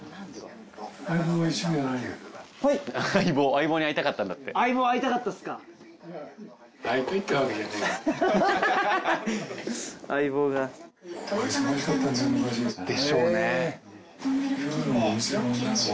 相棒に会いたかったんだって。でしょうね。